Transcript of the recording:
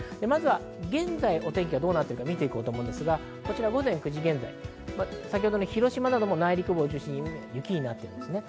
現在、お天気がどうなっているか見て行こうと思いますが、午前９時現在、広島なども内陸部を中心に雪になっていますね。